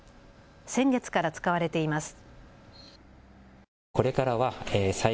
先月から使われています。